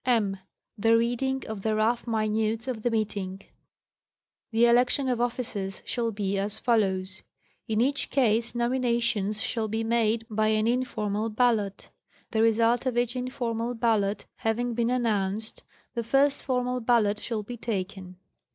m. The reading of the rough minutes of the meeting. The election of officers shall be as follows : In each case nominations shall be made by an informal ballot : the result of each informal ballot having been announced, the . first formal ballot shall be taken.